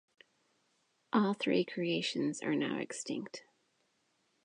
All three creations are now extinct.